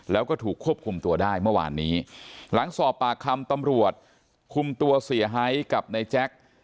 แล้วก็ถูกควบคุมตัวได้เมื่อวานนี้หลังสอบปากคำตำรวจคุมตัวเสียหายกับนายแจ๊ค